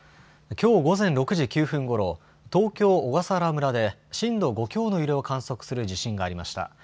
きょう午前６時９分ごろ、東京・小笠原村で、震度５強の揺れを観測する地震がありました。